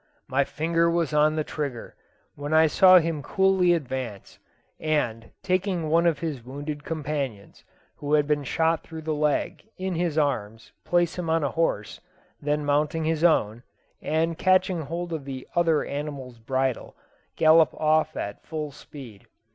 My finger was on the trigger, when I saw him coolly advance, and, taking one of his wounded companions, who had been shot though the leg, in his arms, place him on a horse, then mounting his own, and catching hold of the other animal's bridle, gallop off at full speed.